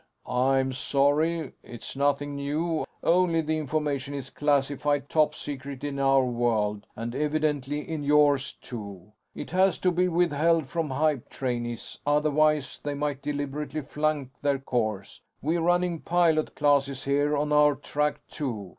"I'm sorry. It's nothing new, only the information is classified top secret in our world; and evidently in yours, too. It has to be withheld from hype trainees, otherwise they might deliberately flunk their course. We're running pilot classes here on our track, too.